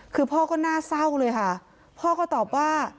ต้นต้นต้นต้นต้น